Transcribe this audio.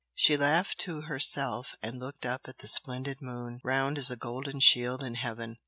She laughed to herself and looked up at the splendid moon, round as a golden shield in heaven.